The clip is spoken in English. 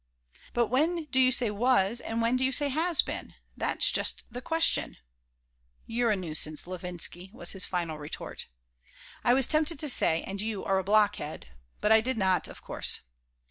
"But when do you say 'was' and when do you say 'has been'? That's just the question." "You're a nuisance, Levinsky," was his final retort I was tempted to say, "And you are a blockhead." But I did not, of course.